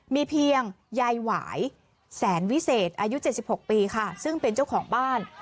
มีเพียงยายหวายแสนวิเศษอายุ๗๖ปีค่ะซึ่งเป็นเจ้าของบ้าน